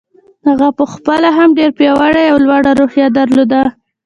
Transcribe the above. هغه په خپله هم ډېره پياوړې او لوړه روحيه درلوده.